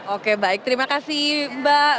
oke baik terima kasih mbak